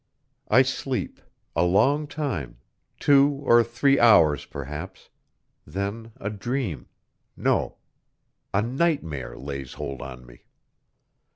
I sleep a long time two or three hours perhaps then a dream no a nightmare lays hold on me.